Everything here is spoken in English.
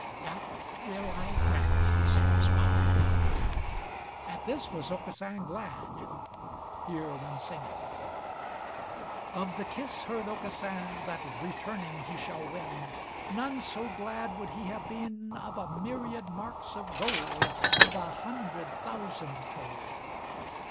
"That will I grant," said his father. At this was Aucassin glad. Here one singeth: Of the kiss heard Aucassin That returning he shall win. None so glad would he have been Of a myriad marks of gold Of a hundred thousand told.